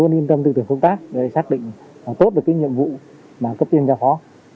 từ giờ đến giờ tư tưởng công tác đã được xác định tốt được cái nhiệm vụ mà cấp tiêm cho phó